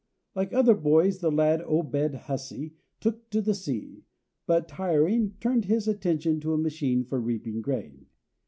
Like other boys the lad, Obed Hussey, took to the sea, but tiring, turned his attention to a machine for reaping grain.